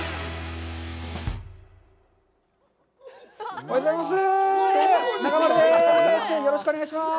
おはようございます。